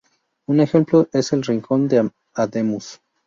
Un ejemplo es el Rincón de Ademuz.